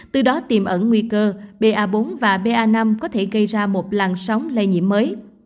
từ đó tìm ẩn nguy cơ pa bốn và ba năm có thể gây ra một làn sóng lây nhiễm mới